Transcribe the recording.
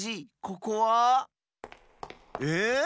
ここは？え？